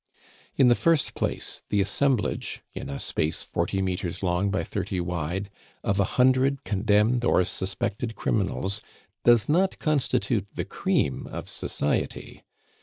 In the first place, the assemblage, in a space forty metres long by thirty wide, of a hundred condemned or suspected criminals, does not constitute the cream of society.